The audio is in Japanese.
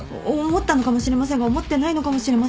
思ったのかもしれませんが思ってないのかもしれませんが。